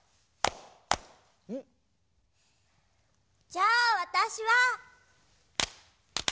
じゃあわたしは。